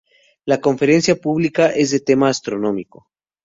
La conferencia pública es de tema astronómico.